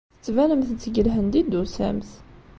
Tettbanemt-d seg Lhend i d-tusamt.